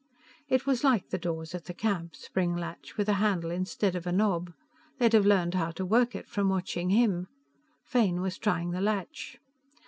It was like the doors at the camp, spring latch, with a handle instead of a knob. They'd have learned how to work it from watching him. Fane was trying the latch.